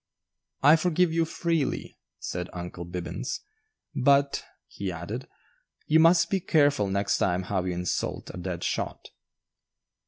"I forgive you freely," said "Uncle Bibbins"; "but," he added, "you must be careful next time how you insult a dead shot."